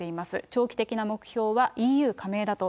長期的な目標はＥＵ加盟だと。